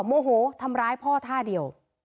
โมโหทำร้ายพ่อท่าเดียว